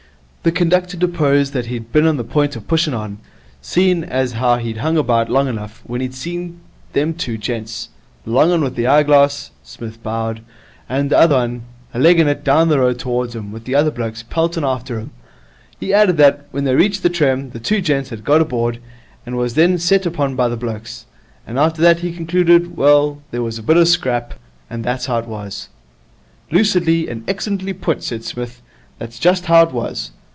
The conductor deposed that he had bin on the point of pushing on, seeing as how he'd hung abart long enough, when he see'd them two gents, the long 'un with the heye glass (Psmith bowed) and t'other 'un, a legging of it dahn the road towards him, with the other blokes pelting after 'em. He added that, when they reached the trem, the two gents had got aboard, and was then set upon by the blokes. And after that, he concluded, well, there was a bit of a scrap, and that's how it was. 'Lucidly and excellently put,' said Psmith. 'That is just how it was.